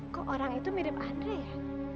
kok orang itu mirip andre ya